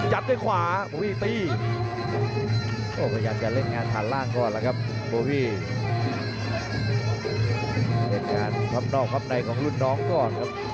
เหตุการณ์ภาพนอกภาพในของรุ่นน้องก็ออกครับ